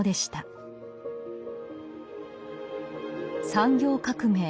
産業革命